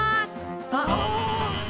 あっ！